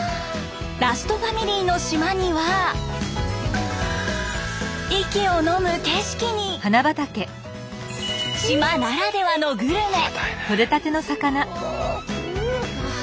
ラストファミリーの島には息をのむ景色に島ならではのグルメ。